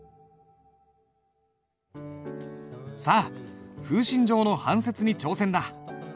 さあ「風信帖」の半切に挑戦だ。